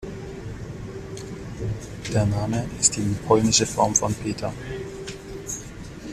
Der Name ist die polnische Form von Peter.